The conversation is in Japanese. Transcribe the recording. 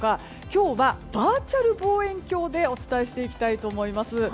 今日は、バーチャル望遠鏡でお伝えしていきたいと思います。